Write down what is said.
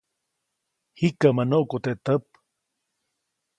Jikäʼmä nuʼku teʼ täp.